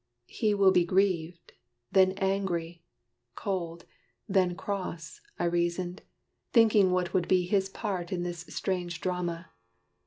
"He will be grieved, then angry, cold, then cross," I reasoned, thinking what would be his part In this strange drama.